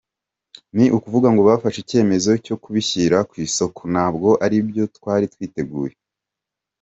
Ni ukuvuga ngo bafashe icyemezo cyo kubishyira ku isoko, ntabwo aribyo twari twiteguye.